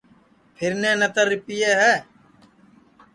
پھیرنے نتر رِپیئے ہے